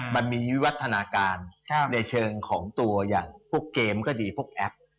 มันมีวิวัฒนาการในเชิงของตัวอย่างพวกเกมก็ดีพวกแอป